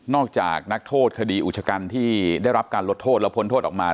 จากนักโทษคดีอุชกันที่ได้รับการลดโทษแล้วพ้นโทษออกมา